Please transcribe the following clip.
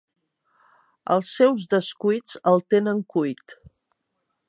Els seus descuits el tenen cuit.